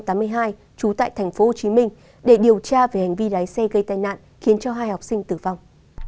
trú tại thành phố hồ chí minh để điều tra về hành vi đáy xe gây tai nạn khiến hai học sinh tử vong